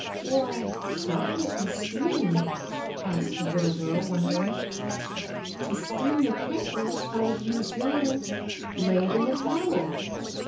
"Why, how can it be steamed?" asked the little girl, wondering. "To steam the crinkles out of used yarn, lay it in a towel.